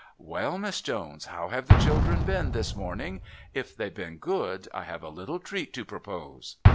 "Well, Miss Jones, how have the children been this morning? If they've been good I have a little treat to propose."